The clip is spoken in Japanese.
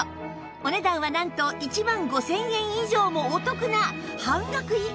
お値段はなんと１万５０００円以上もお得な半額以下！